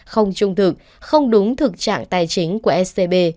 không trung thực không đúng thực trạng tài chính của scb